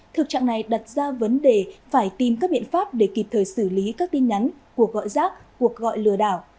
thực trạng này đặt ra vấn đề phải tìm các biện pháp để kịp thời xử lý các tin nhắn của gọi rác cuộc gọi lừa đảo